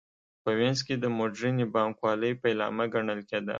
په وینز کې د موډرنې بانک والۍ پیلامه ګڼل کېده